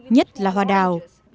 nhất là hoa đào